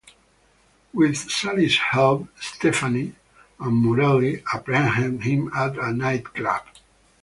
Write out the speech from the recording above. With Sally's help, Stephanie and Morelli apprehend him at a nightclub.